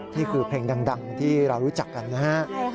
นี่คือเพลงดังที่เรารู้จักกันนะฮะ